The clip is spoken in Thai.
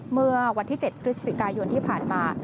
เมื่อวันที่๗พฤศจิกายนที่ผ่านมา